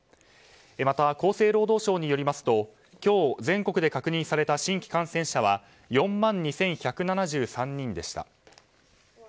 また、厚生労働省によりますと今日、全国で確認された新規感染者は４万２１７３人でした。